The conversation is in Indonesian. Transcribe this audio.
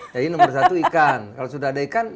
jadi nomor satu ikan kalau sudah ada ikan